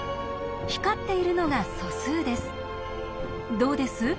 どうです？